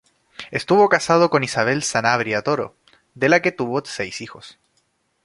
Estuvo casado con Isabel Sanabria Toro, de la que tuvo seis hijos.